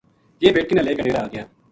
یہ بیٹکی نا لے کے ڈیرے آ گیا